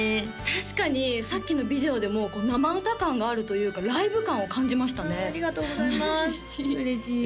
確かにさっきのビデオでも生歌感があるというかライブ感を感じましたねああありがとうございます嬉しい